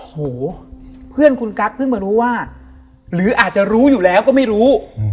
โหเพื่อนคุณกัสเพิ่งมารู้ว่าหรืออาจจะรู้อยู่แล้วก็ไม่รู้